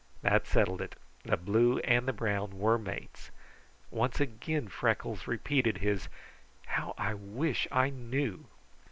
That settled it. The blue and brown were mates. Once again Freckles repeated his "How I wish I knew!"